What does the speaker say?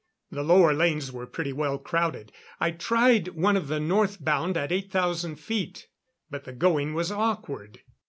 The lower lanes were pretty well crowded. I tried one of the north bound at 8,000 feet; but the going was awkward.